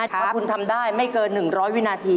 ถ้าคุณทำได้ไม่เกิน๑๐๐วินาที